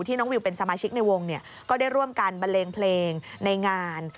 น้องวิวเป็นสมาชิกในวงก็ได้ร่วมกันบันเลงเพลงในงาน